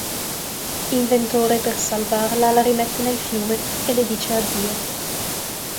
Inventore per salvarla la rimette nel fiume e le dice addio.